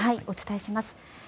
お伝えします。